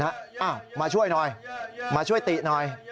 อ้าวมาช่วยหน่อยมาช่วยติหน่อย